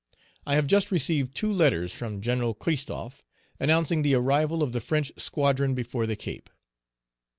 I have just received two letters from Gen. Christophe, announcing the arrival of the French squadron before the Cape."